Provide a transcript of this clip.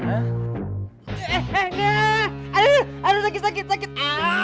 aduh aduh sakit sakit